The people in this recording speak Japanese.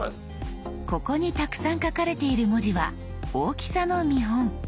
ここにたくさん書かれている文字は大きさの見本。